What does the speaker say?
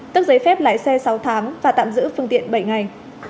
tức giấy phép lái xe sáu tháng và tạm giữ phương tiện bảy ngày